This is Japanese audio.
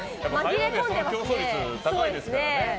火曜日は競争率高いですからね。